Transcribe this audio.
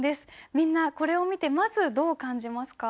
みんなこれを見てまずどう感じますか？